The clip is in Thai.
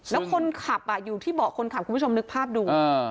แล้วคนขับอยู่ที่เบาะคนขับคุณผู้ชมนึกภาพดู